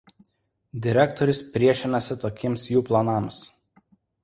Direktorius priešinasi tokiems jų planams.